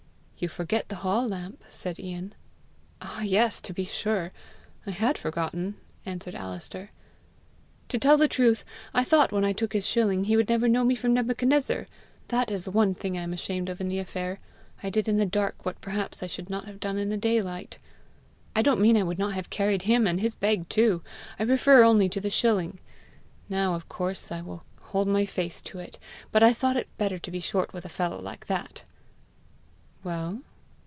"You forget the hall lamp!" said Ian. "Ah, yes, to be sure! I had forgotten!" answered Alister. "To tell the truth, I thought, when I took his shilling, he would never know me from Nebuchadnezzar: that is the one thing I am ashamed of in the affair I did in the dark what perhaps I should not have done in the daylight! I don't mean I would not have carried him and his bag too! I refer only to the shilling! Now, of course, I will hold my face to it; but I thought it better to be short with a fellow like that." "Well?"